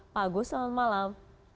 pak agus selamat malam